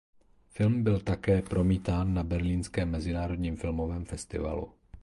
Film byl také promítán na Berlínském mezinárodním filmovém festivalu.